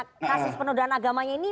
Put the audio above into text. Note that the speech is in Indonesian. kasus penodaan agamanya ini